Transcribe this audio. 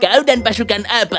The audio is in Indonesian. kau dan pasukan apa